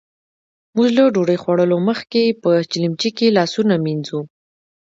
موژ له ډوډۍ خوړلو مخکې په چیلیمچې کې لاسونه مينځو.